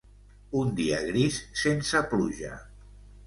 Un dia gris, sense pluja.